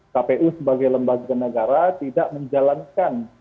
kpu sebagai lembaga negara tidak menjalankan